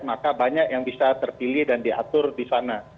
maka banyak yang bisa terpilih dan diatur di sana